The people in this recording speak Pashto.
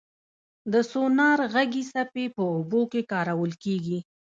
د سونار غږي څپې په اوبو کې کارول کېږي.